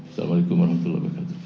assalamualaikum warahmatullahi wabarakatuh